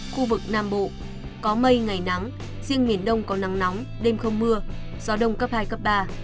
khu vực nam bộ có mây ngày nắng riêng miền đông có nắng nóng đêm không mưa gió đông cấp hai cấp ba